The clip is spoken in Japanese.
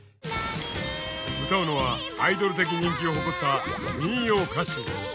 歌うのはアイドル的人気を誇った民謡歌手金沢明子。